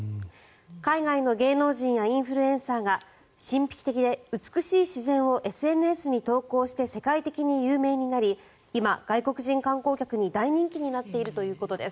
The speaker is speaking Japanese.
海外の芸能人やインフルエンサーが神秘的で美しい自然をＳＮＳに投稿して世界的に有名になり今、外国人観光客に大人気になっているということです。